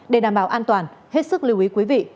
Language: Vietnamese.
để đảm bảo an toàn hết sức lưu ý quý vị